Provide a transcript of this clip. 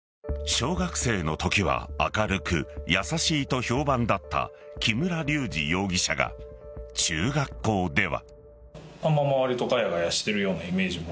小学生のときは明るく優しいと評判だった木村隆二容疑者が中学校では。